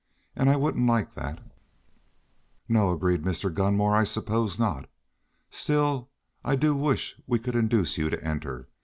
And I wouldn't like that." "No," agreed Mr. Gunmore. "I suppose not. Still, I do wish we could induce you to enter.